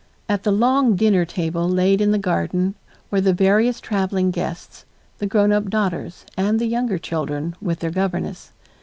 At the long dinner table laid in the garden were the various traveling guests, the grown up daughters, and the younger children with their governess.